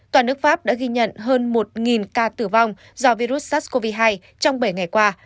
toàn nước pháp đã ghi nhận hơn một ca tử vong do virus sars cov hai trong bảy ngày qua